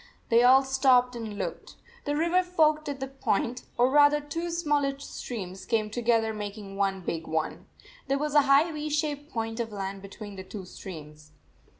They all stopped and looked. The river forked at that point, or rather two smaller streams came together making one big one. There was a high V shaped point of land between the two streams.